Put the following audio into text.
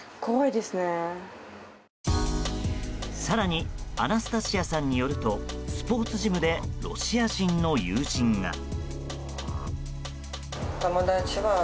更にアナスタシアさんによるとスポーツジムでロシア人の友人が。